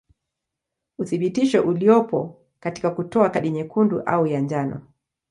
Uthibitisho uliopo katika kutoa kadi nyekundu au ya njano.